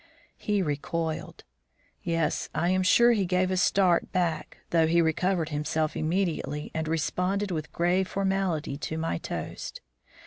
He recoiled. Yes, I am sure he gave a start back, though he recovered himself immediately and responded with grave formality to my toast.